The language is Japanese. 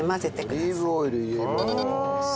オリーブオイル入れます。